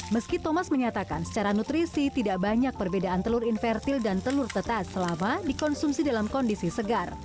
meski thomas menyatakan secara nutrisi tidak banyak perbedaan telur invertil dan telur tetas selama dikonsumsi dalam kondisi segar